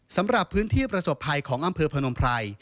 สำหรับพื้นที่ประสบภัยของอำเภอพนมไพร